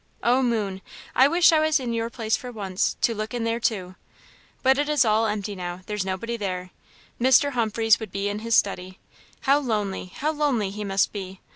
Oh, moon, I wish I was in your place for once, to look in there too! But it is all empty now there's nobody there Mr. Humphreys would be in his study how lonely, how lonely he must be!